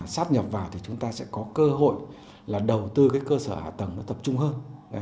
sắp nhập vào thì chúng ta sẽ có cơ hội là đầu tư cái cơ sở hạ tầng nó tập trung hơn